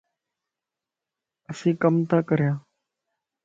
اسين ڪم تا ڪريان